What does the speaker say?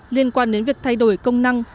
liên quan đến việc thay đổi công năng